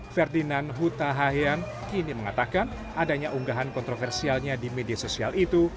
ferdinand huta hayan kini mengatakan adanya unggahan kontroversialnya di media sosial itu